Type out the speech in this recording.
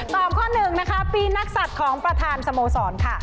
ข้อหนึ่งนะคะปีนักศัตริย์ของประธานสโมสรค่ะ